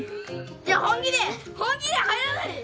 いや本気で本気で入らないで。